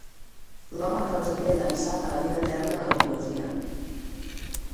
L'home que els havia llançat a la vida eterna de la poesia